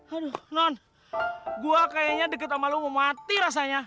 aduh non gua kayaknya deket sama lu mau mati rasanya